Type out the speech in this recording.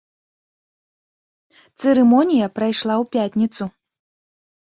Цырымонія прайшла ў пятніцу.